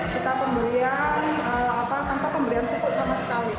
kita pembelian tanpa pembelian pupuk sama sekali